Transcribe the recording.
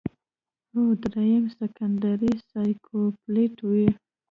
او دريم سيکنډري سايکوپېت وي